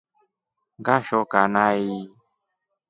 Ngashoka nai.